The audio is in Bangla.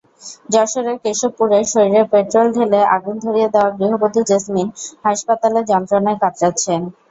যশোরের কেশবপুরে শরীরে পেট্রল ঢেলে আগুন ধরিয়ে দেওয়া গৃহবধূ জেসমিন হাসপাতালে যন্ত্রণায় কাতরাচ্ছেন।